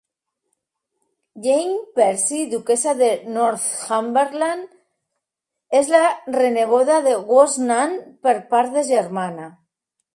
Jane Percy, duquessa de Northumberland, és la reneboda de Woosnam per part de germana.